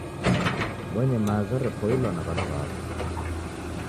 Kubonye maza repoilwa na wana wako